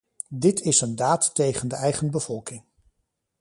Dit is een daad tegen de eigen bevolking.